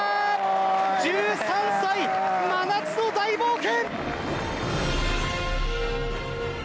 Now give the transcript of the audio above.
１３歳、真夏の大冒険。